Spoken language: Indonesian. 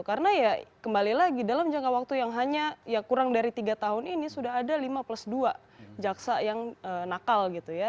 karena ya kembali lagi dalam jangka waktu yang hanya kurang dari tiga tahun ini sudah ada lima plus dua jaksa yang nakal gitu ya